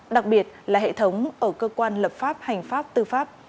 đặc biệt là hệ thống ở cơ quan lập pháp hành pháp tư pháp